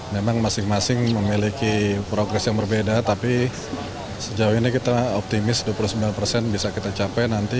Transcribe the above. memang masing masing memiliki progres yang berbeda tapi sejauh ini kita optimis dua puluh sembilan persen bisa kita capai nanti